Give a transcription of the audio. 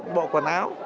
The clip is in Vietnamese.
bộ quần áo